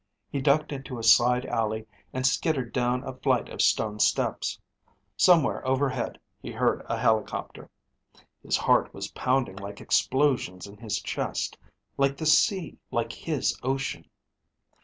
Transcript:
He ducked into a side alley and skittered down a flight of stone steps. Somewhere overhead he heard a helicopter. His heart was pounding like explosions in his chest, like the sea, like his ocean.